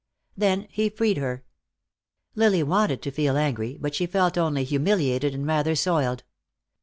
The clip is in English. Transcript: Then he freed her. Lily wanted to feel angry, but she felt only humiliated and rather soiled.